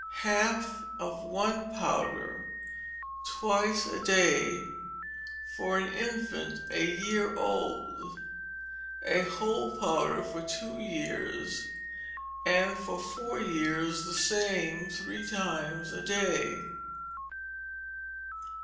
Half of one powder twice a day for an infant a year old; a whole powder for two years: and for four years, the same three times a day.